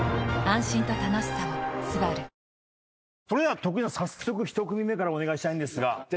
それでは徳井さん１組目からお願いしたいんですが。